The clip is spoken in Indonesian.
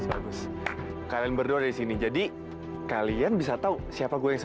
hampir sudah berjaya ini adalah fakt discourse p steinek